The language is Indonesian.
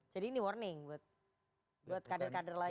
jadi ini warning buat kader kader lain